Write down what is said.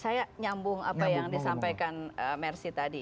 saya mau sambung apa yang disampaikan mercy tadi